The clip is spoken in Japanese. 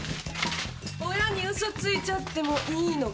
親に嘘ついちゃってもいいのかなあ。